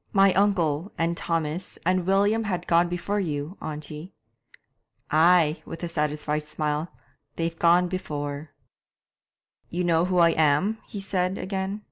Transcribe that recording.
"' 'My uncle, and Thomas, and William have gone before you, auntie.' 'Ay' with a satisfied smile 'they've gone before.' 'You know who I am?' he said again.